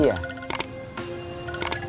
ujang ikut join sama jupri